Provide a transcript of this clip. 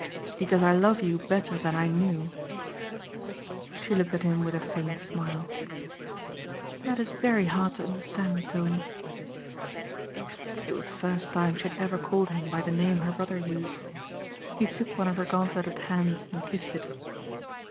"Because I love you better than I knew." She looked at him with a faint smile. "That is very hard to understand, Tony." It was the first time she had ever called him by the name her brother used. He took one of her gauntleted hands and kissed it.